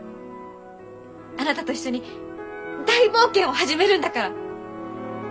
あなたと一緒に大冒険を始めるんだから！